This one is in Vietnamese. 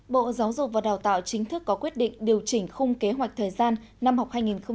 bộ giáo dục và đào tạo chính thức có quyết định điều chỉnh khung kế hoạch thời gian năm học hai nghìn hai mươi hai nghìn hai mươi